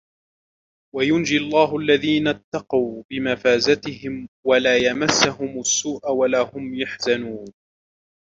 وينجي الله الذين اتقوا بمفازتهم لا يمسهم السوء ولا هم يحزنون